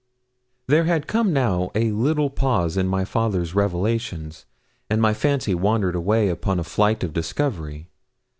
There had come now a little pause in my father's revelations, and my fancy wandered away upon a flight of discovery.